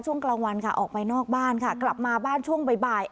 ช่วงกลางวันค่ะออกไปนอกบ้านค่ะกลับมาบ้านช่วงบ่าย